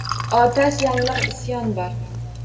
Otash yanglig’ Isyon bor.